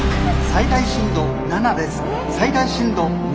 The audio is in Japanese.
最大震度７です」。